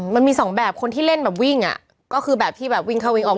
มันมีสองแบบคนที่เล่นแบบวิ่งอ่ะก็คือแบบที่แบบวิ่งเข้าวิ่งออก